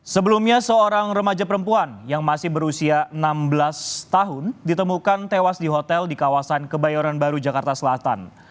sebelumnya seorang remaja perempuan yang masih berusia enam belas tahun ditemukan tewas di hotel di kawasan kebayoran baru jakarta selatan